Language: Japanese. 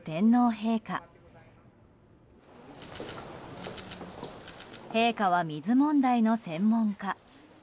陛下は水問題の専門家。